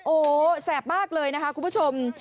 โอ้แสบมากเลยคุณผู้ชม